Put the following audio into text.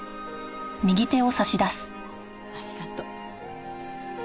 ありがとう。